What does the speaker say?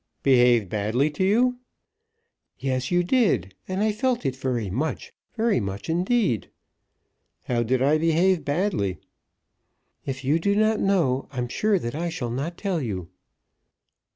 "Behaved badly to you?" "Yes, you did, and I felt it very much, very much indeed." "How did I behave badly?" "If you do not know, I'm sure that I shall not tell you."